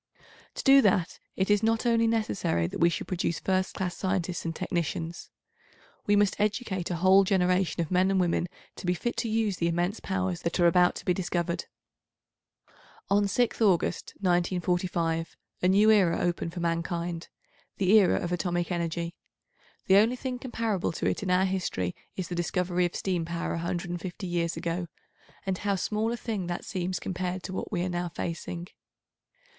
To do that it is not only necessary that we should produce first class scientists and technicians. We must educate a whole generation of men and women to be fit to use the immense powers that are about to be discovered. On 6th August, 1945, a new era opened for mankind—the era of atomic energy. The only thing comparable to it in our history is the discovery of steam power 150 years ago, and how small a thing that seems compared to what we are now facing.